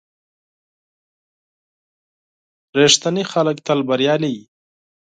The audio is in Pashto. • رښتیني خلک تل بریالي وي.